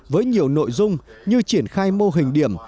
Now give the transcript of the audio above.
với nhiều nội dung như triển khai mô hình điểm